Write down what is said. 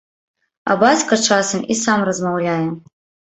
А бацька часам і сам размаўляе.